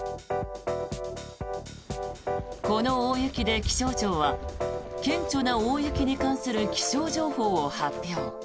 この大雪で気象庁は顕著な大雪に関する気象情報を発表。